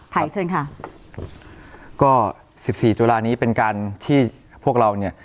เชิญค่ะก็สิบสี่ตุลานี้เป็นการที่พวกเราเนี่ย